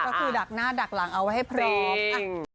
ก็คือดักหน้าดักหลังเอาไว้ให้พร้อม